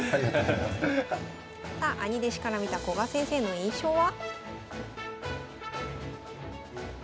さあ兄弟子から見た古賀先生の印象は？